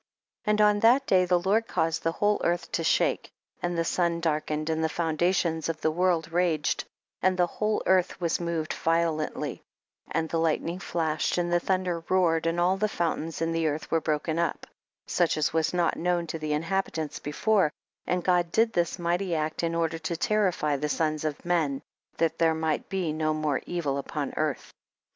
11. And on that day, the Lord caused the whole earth to shake, and the sun darkened, and the foun dations of the world raged, and the whole earth was moved violently, and the lightning flashed, and the thunder roared, and all the fountains in the earth were broken up, such as was not known to the inhabitants he fore ; and God did this mighty act, in order to terrify the sons of men, that there uught be no more evil upon earth.